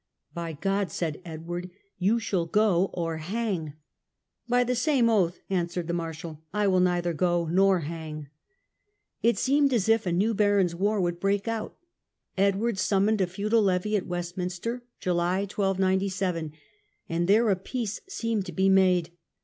" By God," said Edward, " you shall go or hang." " By the same oath," answered the Mar shal, "I will neither go nor hang." It seemed as if a new barons' war would break out. Edward summoned a feudal levy at Westminster, July 1297, and there a peace seemed to be made.